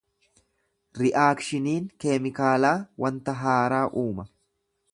Ri’aakshiniin keemikaalaa wanta haaraa uuma.